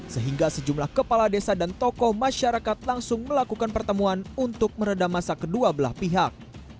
sehingga sejumlah kepala desa dan tokoh masyarakat langsung melakukan pertemuan untuk meredam masa kedua belah pihak